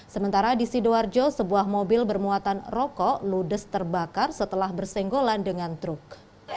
sementara di sidoarjo sebuah mobil bermuatan rokok ludes terbakar setelah bersenggolan dengan truk